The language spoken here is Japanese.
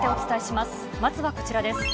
まずはこちらです。